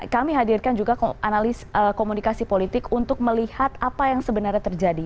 kami hadirkan juga analis komunikasi politik untuk melihat apa yang sebenarnya terjadi